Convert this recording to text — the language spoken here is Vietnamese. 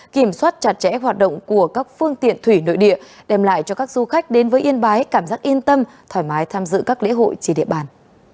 kiểm soát chặt chẽ hoạt động của các phương tiện thủy nội địa đem lại cho các du khách đến với yên bái cảm giác yên tâm thoải mái tham dự các lễ hội chỉ địa bàn